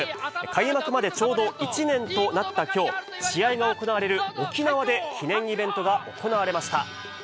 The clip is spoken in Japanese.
開幕までちょうど１年となったきょう、試合が行われる沖縄で記念イベントが行われました。